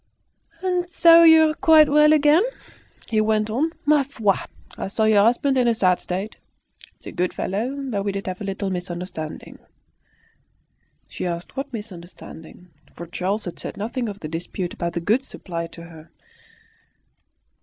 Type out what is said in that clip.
"And so you're quite well again?" he went on. "Ma foi! I saw your husband in a sad state. He's a good fellow, though we did have a little misunderstanding." She asked what misunderstanding, for Charles had said nothing of the dispute about the goods supplied to her.